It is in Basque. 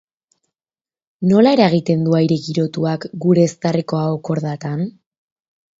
Nola eragiten du aire girotuak gure eztarriko aho-kordatan?